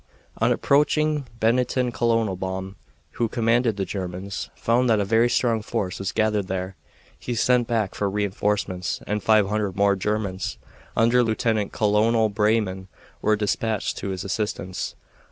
On approaching Bennington Colonel Baum, who commanded the Germans, found that a very strong force was gathered there. He sent back for re enforcements, and five hundred more Germans, under Lieutenant Colonel Breyman, were dispatched to his assistance.